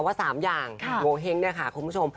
ว่า๓อย่างโหเหงคุณผู้ชม